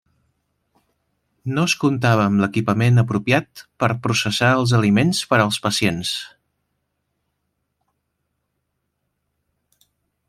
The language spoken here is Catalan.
No es comptava amb equipament apropiat per processar els aliments per als pacients.